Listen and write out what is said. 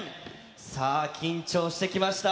さあ、緊張してきました。